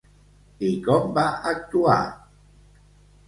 I com va actuar?